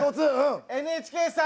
ＮＨＫさん